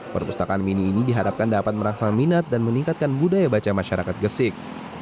perpustakaan mini ini diharapkan dapat merangsang minat dan meningkatkan budaya baca masyarakat gresik